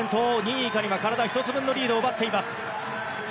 ２位以下には体１つ分のリードを奪っています。